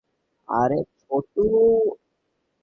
আরে ছোটু।